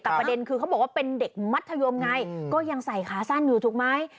แต่ประเด็นคือเขาบอกว่าเป็นเด็กมัธยมไงก็ยังใส่ขาสั้นอยู่ถูกไหม